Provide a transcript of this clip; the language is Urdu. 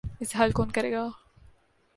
اسے حل کون کرے گا؟